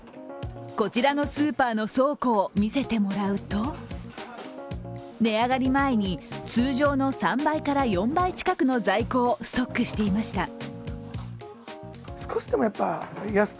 こちらのスーパーの倉庫を見せてもらうと、値上がり前に通常の３倍から４倍近くの在庫をストックしていました。